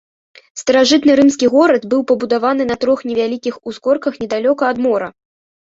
Старажытны рымскі горад быў пабудаваны на трох невялікіх узгорках недалёка ад мора.